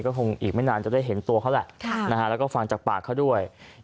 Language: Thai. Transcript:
ก็คงอีกไม่นานจะได้เห็นตัวเขาแหละแล้วก็ฟังจากปากเขาด้วย